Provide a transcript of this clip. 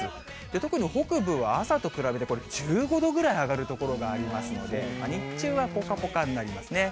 特に、北部は朝と比べてこれ、１５度ぐらい上がる所がありますので、日中はぽかぽかになりますね。